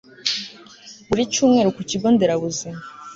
buri cyumweru ku kigo nderabuzima